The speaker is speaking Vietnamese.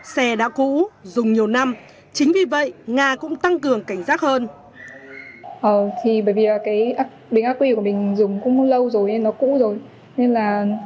xe đã cũ dùng nhiều năm chính vì vậy nga cũng tăng cường cảnh giác hơn